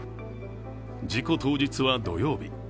事故当日は土曜日。